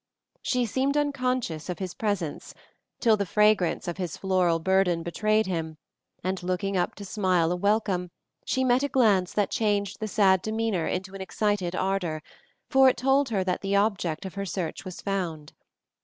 She seemed unconscious of his presence till the fragrance of his floral burden betrayed him, and looking up to smile a welcome she met a glance that changed the sad dreamer into an excited actor, for it told her that the object of her search was found.